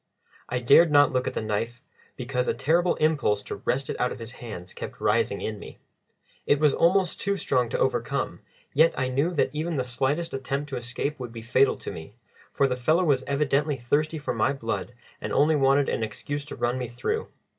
I dared not look at the knife, because a terrible impulse to wrest it out of his hands kept rising in me. It was almost too strong to be overcome, yet I knew that even the slightest attempt to escape would be fatal to me; for the fellow was evidently thirsty for my blood and only wanted an excuse to run me through.